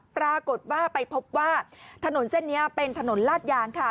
ปรากฏว่าไปพบว่าถนนเส้นนี้เป็นถนนลาดยางค่ะ